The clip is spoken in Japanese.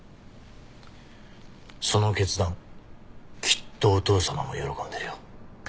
その決断きっとお父様も喜んでるよ。